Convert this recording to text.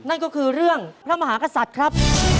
นั่นก็คือเรื่องพระมหากษัตริย์ครับ